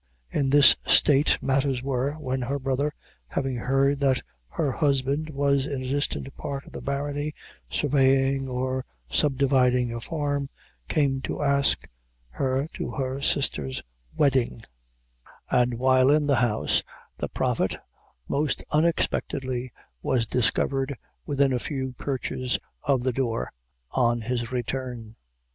In this state matters were, when her brother, having heard that her husband was in a distant part of the barony, surveying, or subdividing a farm, came to ask her to her sister's wedding, and while in the house, the Prophet, most unexpectedly, was discovered, within a few perches of the door, on his return.